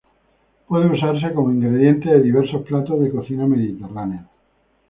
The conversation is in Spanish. Puede usarse como ingrediente de diversos platos de cocina mediterránea.